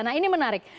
nah ini menarik